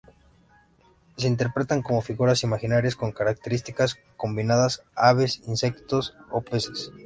Se interpretan como figuras imaginarias con características combinadas, aves, insectos o peces.